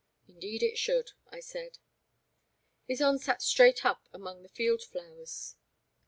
Indeed it should," I said. Ysonde sat straight up among the field flowers.